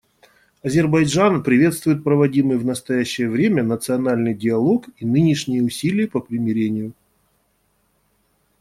Азербайджан приветствует проводимый в настоящее время национальный диалог и нынешние усилия по примирению.